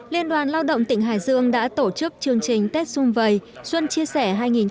liên đoàn lao động tỉnh hải dương đã tổ chức chương trình tết xung vầy xuân chia sẻ hai nghìn hai mươi